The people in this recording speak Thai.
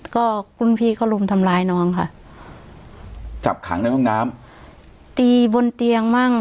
ก็คุณพี่ก็รุมทำร้ายน้องค่ะจับขังในห้องน้ำตีบนเตียงมั่ง